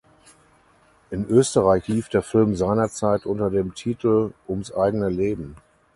In Österreich lief der Film seinerzeit unter dem Titel "Ums eigene Leben".